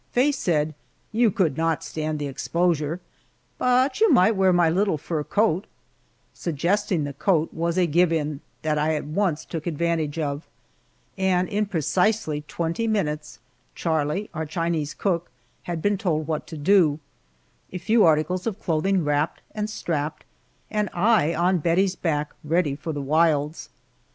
Faye said: "You could not stand the exposure, but you might wear my little fur coat" Suggesting the coat was a give in that I at once took advantage of, and in precisely twenty minutes Charlie, our Chinese cook, had been told what to do, a few articles of clothing wrapped and strapped, and I on Bettie's back ready for the wilds.